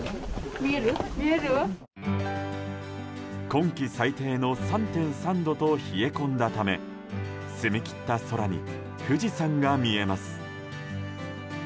今季最低の３．３度と冷え込んだため澄み切った空に富士山が見えます。